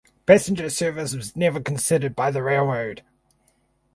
Passenger service was never considered by the railroad.